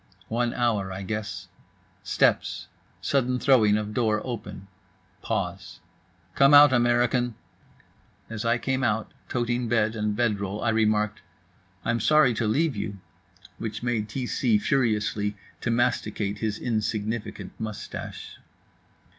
One hour, I guess. Steps. Sudden throwing of door open. Pause. "Come out, American." As I came out, toting bed and bed roll, I remarked: "I'm sorry to leave you," which made T c furiously to masticate his insignificant moustache.